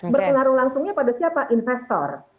berpengaruh langsungnya pada siapa investor